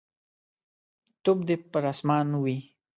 توف دي پر اسمان وي.